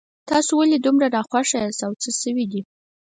تاسو ولې دومره ناخوښه یاست او څه شوي دي